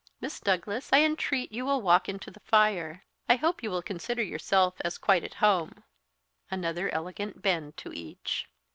Miss Douglas, I entreat you will walk into the fire; I hope you will consider yourself as quite at home" another elegant bend to each.